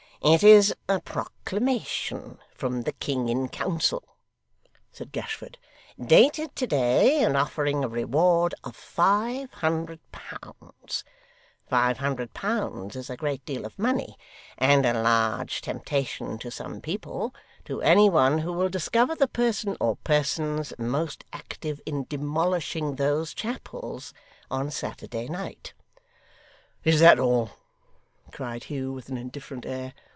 'It is a proclamation from the King in Council,' said Gashford, 'dated to day, and offering a reward of five hundred pounds five hundred pounds is a great deal of money, and a large temptation to some people to any one who will discover the person or persons most active in demolishing those chapels on Saturday night.' 'Is that all?' cried Hugh, with an indifferent air.